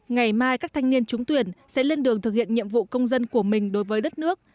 ngày mai các thanh niên trúng tuyển sẽ lên đường thực hiện nhiệm vụ công dân của mình đối với đất nước